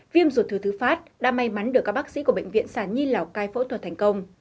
viêm ruột thừa thứ phát đã may mắn được các bác sĩ của bệnh viện sản nhi lào cai phẫu thuật thành công